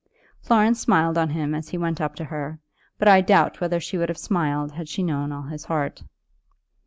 Florence smiled on him as he went up to her, but I doubt whether she would have smiled had she known all his heart.